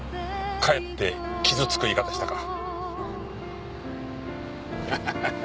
かえって傷つく言い方したか？